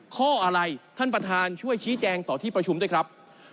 ข้ออะไรท่านประธานช่วยชี้แจงต่อที่ประชุมด้วยครับ